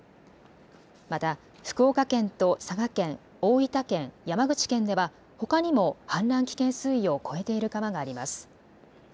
また福岡県と佐賀県大分県、山口県ではほかにも氾濫危険水位を超えている川があります。